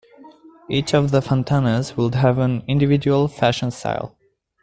Each of the Fantanas would have an individual fashion style.